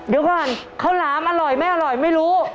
เดี๋ยวก่อนข้าวหลามอร่อยไม่อร่อยไม่รู้